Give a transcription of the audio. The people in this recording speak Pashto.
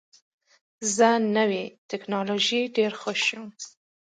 زه نوې ټکنالوژۍ ډېر خوښوم.